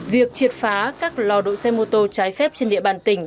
việc triệt phá các lò độ xe mô tô trái phép trên địa bàn tỉnh